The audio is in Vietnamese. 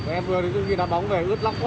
em vừa đến khi nó bóng về ướt lóc quá